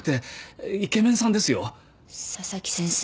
佐々木先生？